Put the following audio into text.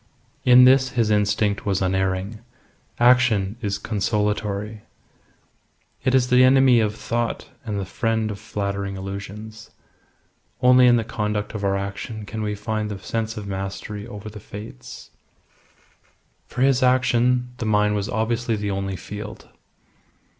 In this his instinct was unerring. Action is consolatory. It is the enemy of thought and the friend of flattering illusions. Only in the conduct of our action can we find the sense of mastery over the Fates. For his action, the mine was obviously the only field.